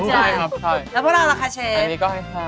อยู่ใต้นี้เต็มเลยนี่